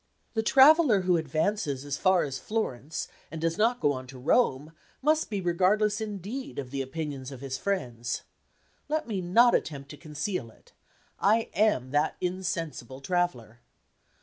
The traveler who advances as far as Florence, and does not go on to Rome, must be regardless indeed of the opinions of his friends. Let me not attempt to conceal it I am that insensible traveler.